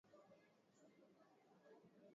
Macho yangu yanauma